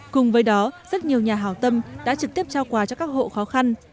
cùng với đó rất nhiều nhà hào tâm đã trực tiếp trao quà cho các hộ khó khăn